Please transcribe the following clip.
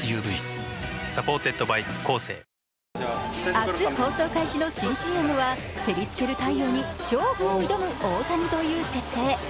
明日放送開始の新ＣＭは照りつける太陽に勝負を挑む大谷という設定。